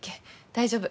大丈夫。